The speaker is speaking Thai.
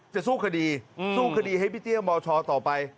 จะสู้คดีสู้คดีให้พี่เตี้ยมชต่อไป